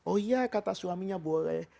oh iya kata suaminya boleh